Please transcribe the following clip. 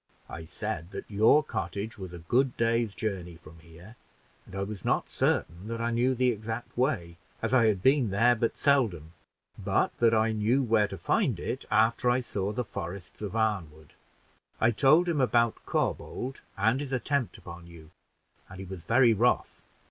"I said that your cottage was a good day's journey from here, and I was not certain that I knew the exact way, as I had been there but seldom, but that I knew where to find it after I saw the forests of Arnwood; I told him about Corbould and his attempt upon you, and he was very wroth.